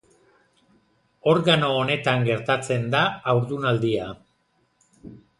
Organo honetan gertatzen da haurdunaldia.